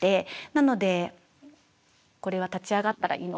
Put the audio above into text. なのでこれは立ち上がったらいいのか。